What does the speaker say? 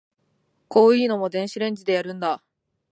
こういうのも電子レンジでやるんだ